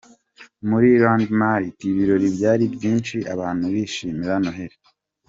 Muri Landmark ibirori byari byinshi abantu bishimira Noheri.